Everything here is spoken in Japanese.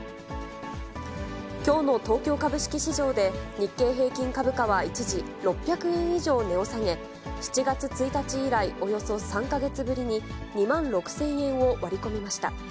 きょうの東京株式市場で、日経平均株価は、一時６００円以上値を下げ、７月１日以来、およそ３か月ぶりに２万６０００円を割り込みました。